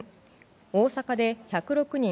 大阪で１０６人